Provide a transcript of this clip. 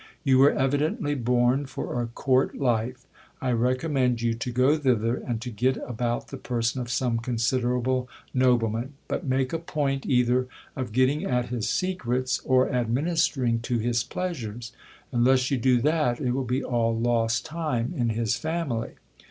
You were evidently born for a court life : I recommend you to go thither, and to get about the person of some considerable nobleman. But make a point either of getting at his secrets, or administering to his pleasures ; unless you do that, it will be all lost time in his family.